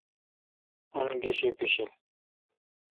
او°گیش بِشیل۔